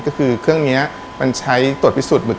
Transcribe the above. ก็คือเครื่องนี้มันใช้ตรวจพิสูจนบึก